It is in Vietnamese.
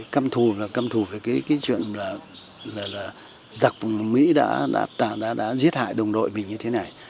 căm thù và căm thù với cái chuyện là giặc mỹ đã giết hại đồng đội mình như thế này